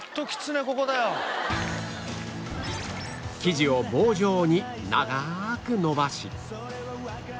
生地を棒状に長く延ばし